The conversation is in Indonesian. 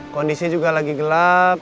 kondisi juga lagi gelap